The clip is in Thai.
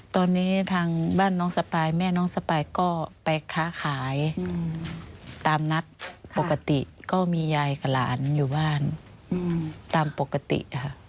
ตอนนี้ทางบ้านน้องสปายแม่น้องสปายก็ไปค้าขายตามนัดปกติก็มียายกับหลานอยู่บ้านตามปกติค่ะ